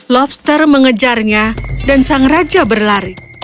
lobster mengejarnya dan sang raja berlari